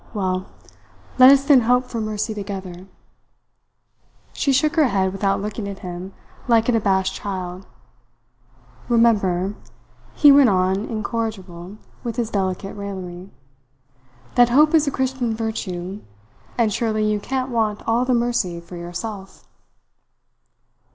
Well, let us then hope for mercy together." She shook her head without looking at him, like an abashed child. "Remember," he went on incorrigible with his delicate raillery, "that hope is a Christian virtue, and surely you can't want all the mercy for yourself."